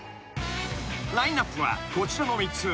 ［ラインアップはこちらの３つ］